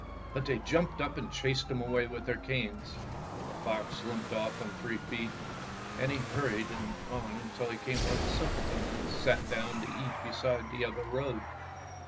But they jumped up and chased him away with their canes. The fox limped off on three feet, and he hurried on till he came to where the simpleton had sat down to eat beside the other road.